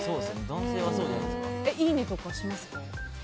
いいねとかしますか？